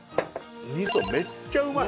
味噌めっちゃうまい。